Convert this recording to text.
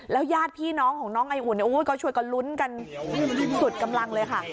ญาติพี่น้องของน้องไออุ่นก็ช่วยกันลุ้นกันสุดกำลังเลยค่ะ